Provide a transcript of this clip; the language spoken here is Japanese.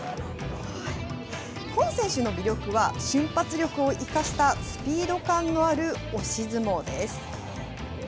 今選手の魅力は、瞬発力を生かしたスピード感のある押し相撲です。